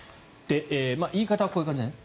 言い方はこういう感じです。